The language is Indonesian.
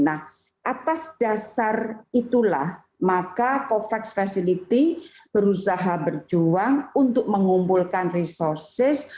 nah atas dasar itulah maka covax facility berusaha berjuang untuk mengumpulkan resources